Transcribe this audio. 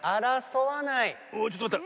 おっちょっとまった。